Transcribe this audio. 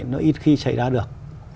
nó ít khi xảy ra được